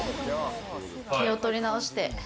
気を取り直して。